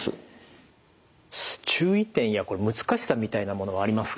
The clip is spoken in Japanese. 注意点や難しさみたいなものはありますか？